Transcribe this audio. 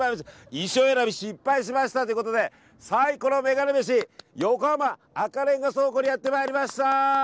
衣装選び失敗しましたということでサイコロメガネ飯横浜赤レンガ倉庫にやってまいりました！